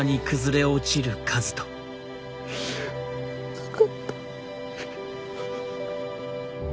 分かった。